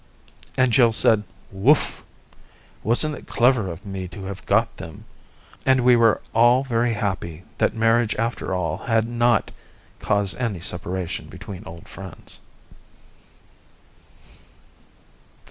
And Jill said " Wooff : wasn't it clever of me to have got them ?" And we were all very happy that marriage after all had not caused any separation between old friends.